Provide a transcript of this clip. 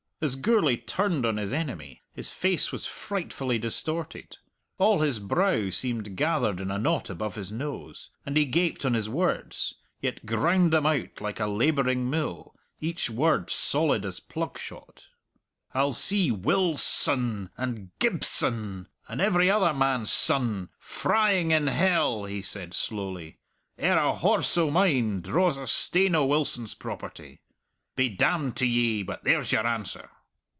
As Gourlay turned on his enemy, his face was frightfully distorted; all his brow seemed gathered in a knot above his nose, and he gaped on his words, yet ground them out like a labouring mill, each word solid as plug shot. "I'll see Wil son ... and Gib son ... and every other man's son ... frying in hell," he said slowly, "ere a horse o' mine draws a stane o' Wilson's property. Be damned to ye, but there's your answer!"